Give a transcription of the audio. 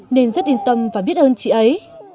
nên rất yên tâm và biết ơn chị ấy